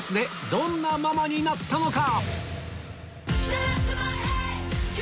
どんなママになったのか⁉